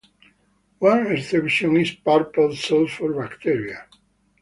One exception is purple sulfur bacteria.